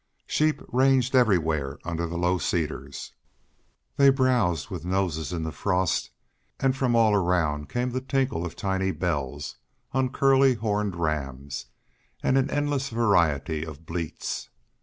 Sheep ranged everywhere under the low cedars. They browsed with noses in the frost, and from all around came the tinkle of tiny bells on the curly horned rams, and an endless variety of bleats.